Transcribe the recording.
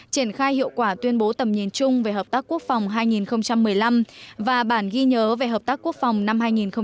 triển khai hiệu quả tuyên bố tầm nhìn chung về hợp tác quốc phòng hai nghìn một mươi năm và bản ghi nhớ về hợp tác quốc phòng năm hai nghìn một mươi chín